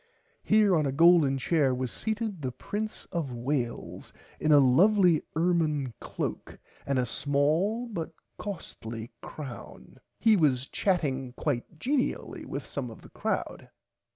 Here on a golden chair was seated the prince of Wales in a lovely ermine cloak and a small but costly crown. He was chatting quite genially with some of the crowd.